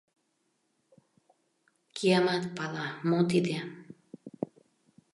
— Киямат пала, мо тиде!